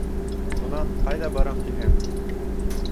— Шунан, ҡайҙа барам тиһең?